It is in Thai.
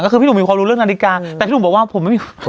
ก็คือพี่หนูมีความรู้เรื่องนาฬิกาแต่พี่หนูบอกว่าผมไม่มีความรู้